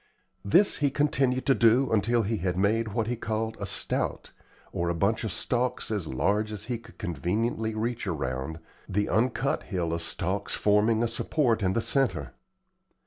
This he continued to do until he had made what he called a "stout," or a bunch of stalks as large as he could conveniently reach around, the uncut hill of stalks forming a support in the centre.